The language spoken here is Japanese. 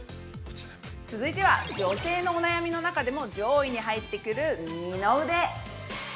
◆続いては女性のお悩みの中でも上位に入ってくる二の腕。